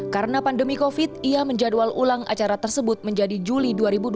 karena pandemi covid ia menjadwal ulang acara tersebut menjadi juli dua ribu dua puluh satu